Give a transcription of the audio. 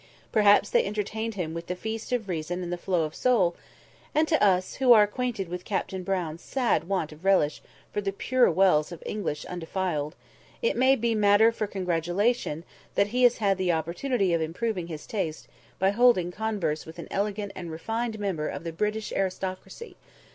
Perhaps they entertained him with 'the feast of reason and the flow of soul'; and to us, who are acquainted with Captain Brown's sad want of relish for 'the pure wells of English undefiled,' it may be matter for congratulation that he has had the opportunity of improving his taste by holding converse with an elegant and refined member of the British aristocracy.